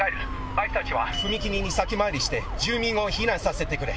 アイクたちは踏切に先回りして住民を避難させてくれ。